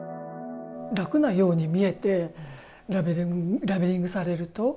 楽なように見えてラベリングされると。